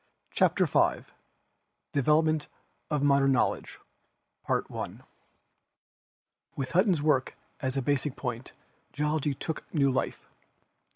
CHAPTER IV DEVELOPMENTS OF MODERN GEOLOGICAL KNOWLEDGE With Hutton's work as a basic point Geology took new life.